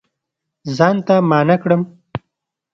ځان ته معنا کړم